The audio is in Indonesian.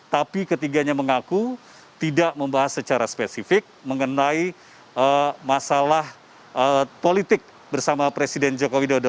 tapi ketiganya mengaku tidak membahas secara spesifik mengenai masalah politik bersama presiden joko widodo